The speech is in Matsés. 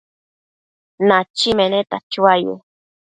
Nachi meneta chuaye